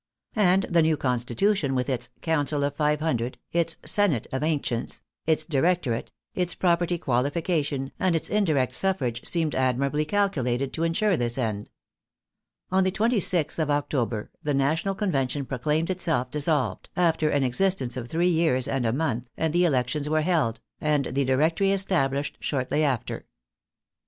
And the new Constitution, with its " council of five hundred," its " senate of an cients," its " directorate," its property qualification, and its indirect suffrage, seemed admirably calculated to en sure this end. On the 26th of October the National Con vention proclaimed itself dissolved, after an existence of three years and a month, and the elections were held, and the Directory established shortly after.